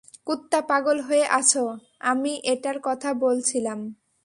কুত্তা পাগল হয়ে আছো, আমি এটার কথা বলছিলাম।